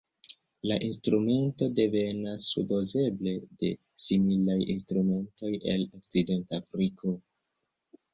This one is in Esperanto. La instrumento devenas supozeble de similaj instrumentoj el Okcidentafriko.